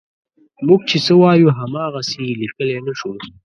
موږ چې څه وایو هماغسې یې لیکلی نه شو.